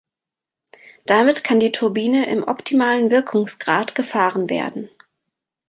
Damit kann die Turbine im optimalen Wirkungsgrad gefahren werden.